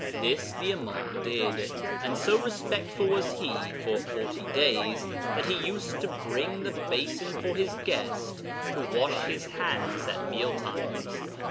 This the Imām did, and so respectful was he for 'forty days' that he used to bring the basin for his guest to wash his hands at mealtimes.